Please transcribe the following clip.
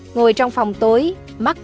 ngồi trong phòng tối mắt